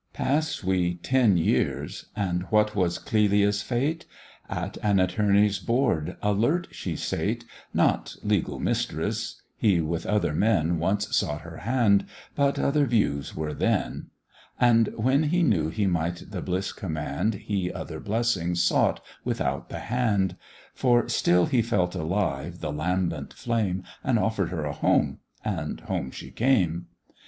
"Pass we ten years, and what was Clelia's fate?" At an attorney's board alert she sate, Not legal mistress: he with other men Once sought her hand, but other views were then; And when he knew he might the bliss command, He other blessing sought without the hand; For still he felt alive the lambent flame, And offer'd her a home, and home she came.